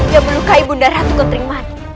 yang melukai bunda ratu ketering mani